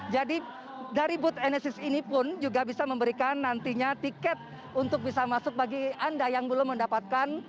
dari booth enesis ini pun juga bisa memberikan nantinya tiket untuk bisa masuk bagi anda yang belum mendapatkan